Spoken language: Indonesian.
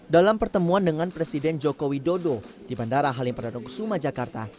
dalam pertemuan dengan presiden joko widodo di bandara halim perdana kusuma jakarta